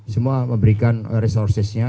semua memberikan resourcesnya